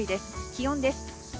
気温です。